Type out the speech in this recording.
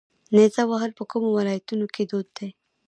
نیزه وهل په کومو ولایتونو کې دود دي؟